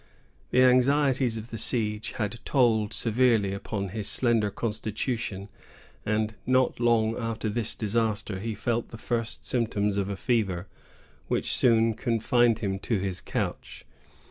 The anxieties of the siege had told severely upon his slender constitution; and not long after this disaster, he felt the first symptoms of a fever, which soon confined him to his couch.